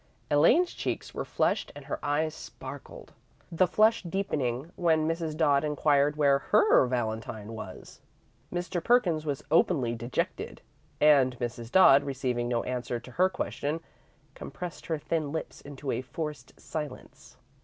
Elaine's cheeks were flushed and her eyes sparkled, the flush deepening when Mrs. Dodd inquired where her valentine was. Mr. Perkins was openly dejected, and Mrs. Dodd, receiving no answer to her question, compressed her thin lips into a forced silence.